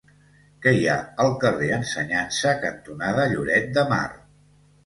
Què hi ha al carrer Ensenyança cantonada Lloret de Mar?